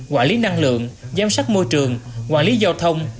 quản lý năng lượng giám sát môi trường quản lý giao thông